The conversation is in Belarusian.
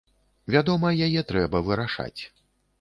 Вядома, яе трэба вырашаць.